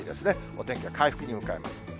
お天気は回復に向かいます。